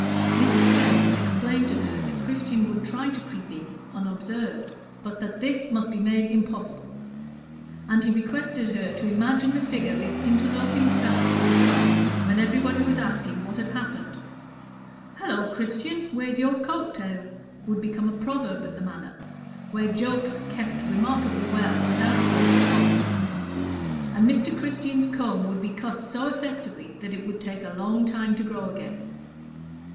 Mr. Scales explained to her that Christian would try to creep in unobserved, but that this must be made impossible; and he requested her to imagine the figure this interloping fellow would cut when everybody was asking what had happened. "Hallo, Christian! where's your coat tail?" would become a proverb at the Manor, where jokes kept remarkably well without the aid of salt; and Mr. Christian's comb would be cut so effectually that it would take a long time to grow again.